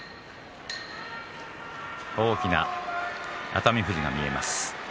大きな熱海富士が見えます。